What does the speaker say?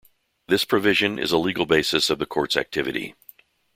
This Provision is a legal basis of the Court's activity.